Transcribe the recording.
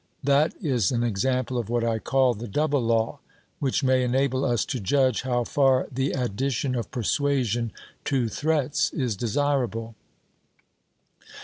That is an example of what I call the double law, which may enable us to judge how far the addition of persuasion to threats is desirable.